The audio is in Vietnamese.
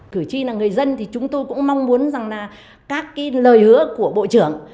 cử tri là người dân thì chúng tôi cũng mong muốn rằng là các cái lời hứa của bộ trưởng